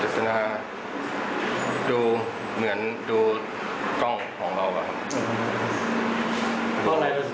สนาดูเหมือนดูกล้องของเราอะครับ